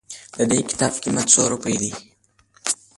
ددي کتاب قيمت څو روپئ ده